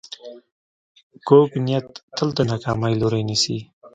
کوږ نیت تل د ناکامۍ لوری نیسي